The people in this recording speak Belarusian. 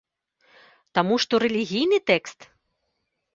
Таму, што рэлігійны тэкст?